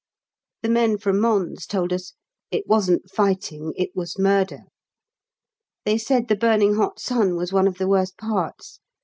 The men from Mons told us "it wasn't fighting it was murder." They said the burning hot sun was one of the worst parts.